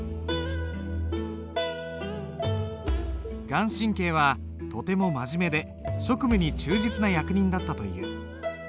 顔真はとても真面目で職務に忠実な役人だったという。